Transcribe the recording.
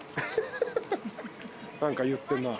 何か言ってんな。